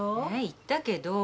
言ったけど。